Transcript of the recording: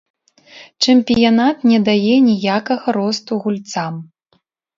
Чэмпіянат не дае ніякага росту гульцам.